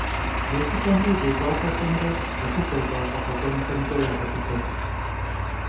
Yêxıp'emre zêk'uap'exemre abı xueş'a ş'eğekhuenxemç'e yağebıde.